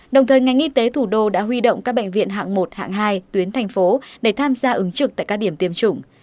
đồng thời ngành y tế thủ đô đã huy động các bệnh viện hạng một hạng hai tuyến thành phố để tham gia ứng trực tại các điểm tiêm chủng